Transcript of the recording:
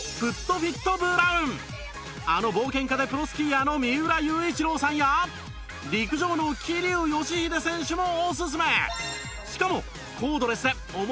あの冒険家でプロスキーヤーの三浦雄一郎さんや陸上の桐生祥秀選手もおすすめ！